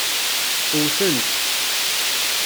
Wten-t.